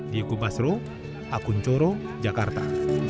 diego basro akun coro jakarta